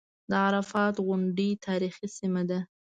د عرفات غونډۍ تاریخي سیمه ده.